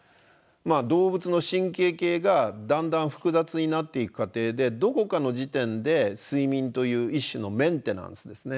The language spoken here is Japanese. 動物の神経系がだんだん複雑になっていく過程でどこかの時点で睡眠という一種のメンテナンスですね